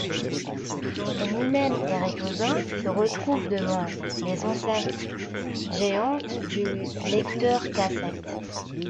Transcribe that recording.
Eminem et Rick Rubin se retrouvent devant les enceintes géantes du lecteur cassette.